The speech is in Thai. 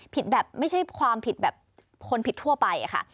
แบบไม่ใช่ความผิดแบบคนผิดทั่วไปค่ะ